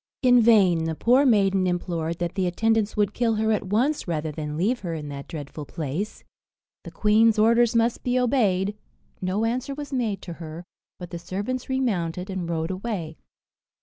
In vain the poor maiden implored that the attendants would kill her at once, rather than leave her in that dreadful place: the queen's orders must be obeyed; no answer was made to her, but the servants remounted and rode away.